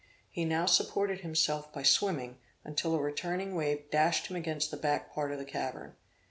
He now supported himself by swimming, until a returning wave dashed him against the back part of the cavern.